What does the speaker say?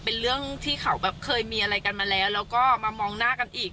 เป็นเรื่องที่เขาแบบเคยมีอะไรกันมาแล้วแล้วก็มามองหน้ากันอีก